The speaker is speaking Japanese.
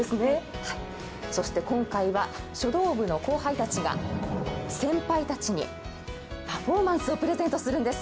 今回は書道部の後輩たちが先輩たちにパフォーマンスをプレゼントするんです。